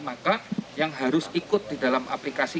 maka yang harus ikut di dalam aplikasi